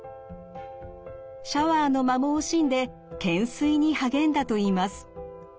シャワーの間も惜しんで懸垂に励んだといいます。